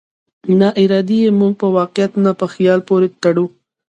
ناارادي يې موږ په واقعيت نه، په خيال پورې تړو.